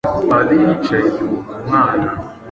Padiri yicaye yumva umwana;